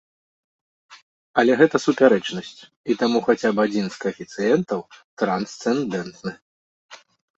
Але гэта супярэчнасць, і таму хаця б адзін з каэфіцыентаў трансцэндэнтны.